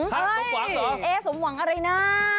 สมหวังเหรอเอ๊สมหวังอะไรนะ